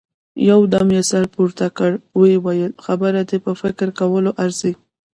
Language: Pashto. يودم يې سر پورته کړ، ويې ويل: خبره دې په فکر کولو ارزي.